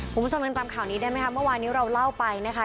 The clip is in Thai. คุณผู้ชมยังจำข่าวนี้ได้ไหมคะเมื่อวานนี้เราเล่าไปนะคะ